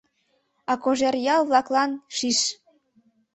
А Кожеръял-влаклан — шиш!